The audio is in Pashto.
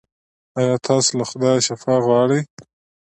ایا تاسو له خدایه شفا غواړئ؟